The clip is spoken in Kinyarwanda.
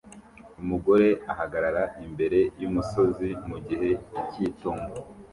Umugore ahagarara imbere yumusozi mugihe cyitumba